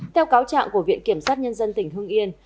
theo cáo trạng của viện kiểm sát nhân dân tỉnh hưng yên